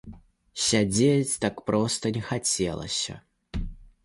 Сядзець так проста не хацелася.